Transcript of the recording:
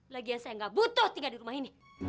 lagian saya enggak butuh tinggal di rumah ini